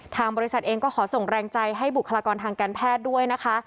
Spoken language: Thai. ทางบริษัทเองก็ขอส่งแรงใจให้บุคลากรทางการแพทย์ด้วยนะคะ